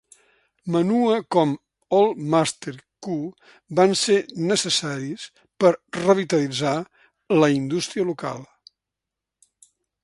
Manhua com "Old Master Q" van ser necessaris per revitalitzar la indústria local.